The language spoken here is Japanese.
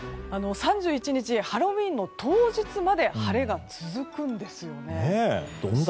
３１日、ハロウィーンの当日まで晴れが続くんです。